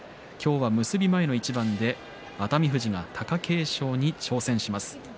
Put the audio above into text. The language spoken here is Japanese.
結び前の一番で熱海富士が貴景勝に挑戦します。